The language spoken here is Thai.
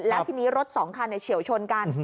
แล้วทีนี้รถสองคันเฉียวชนกัน